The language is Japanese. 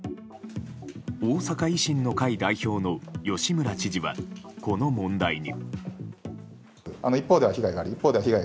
大阪維新の会代表の吉村知事はこの問題に。